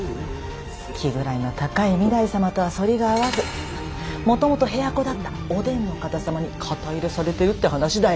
気位の高い御台様とは反りが合わずもともと部屋子だったお伝の方様に肩入れされてるって話だよ。